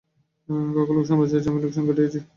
কাকা লোকসান বাঁচিয়েছেন, আমি লোকসান ঘটিয়েছি।